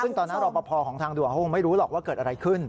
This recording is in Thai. ซึ่งตอนนั้นเราประพอของทางดัวโห้ไม่รู้หรอกว่าเกิดอะไรขึ้น